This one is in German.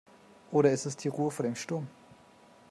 Oder ist es die Ruhe vor dem Sturm?